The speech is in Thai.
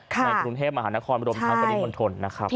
ในกรุงเทพฯมหานครรวมทางประดิษฐ์มนตร์นะครับ